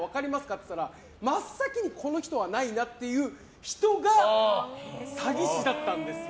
って言ったら真っ先にこの人はないな、という人が詐欺師だったんですよ。